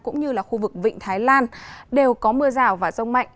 cũng như là khu vực vịnh thái lan đều có mưa rào và rông mạnh